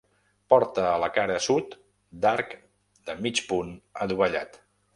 Porta a la cara sud, d'arc de mig punt adovellat.